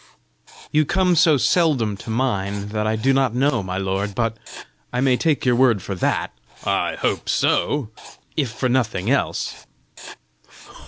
"You come so seldom to mine, that I do not know, my lord; but I may take your word for THAT!" "I hope so!" " if for nothing else!"